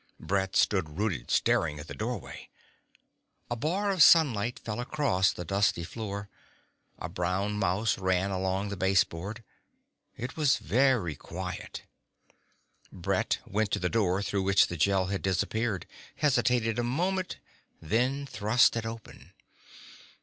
Brett stood rooted, staring at the doorway. A bar of sunlight fell across the dusty floor. A brown mouse ran along the baseboard. It was very quiet. Brett went to the door through which the Gel had disappeared, hesitated a moment, then thrust it open.